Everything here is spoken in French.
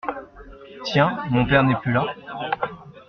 Tiens ! mon père n'est plus là ?